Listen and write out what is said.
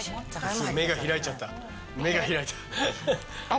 目が開いちゃった目が開いた。